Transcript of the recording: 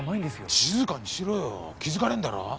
静かにしろよ気付かれんだろ。